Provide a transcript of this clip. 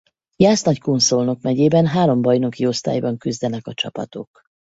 Jász-Nagykun-Szolnok megyében három bajnoki osztályban küzdenek a csapatok.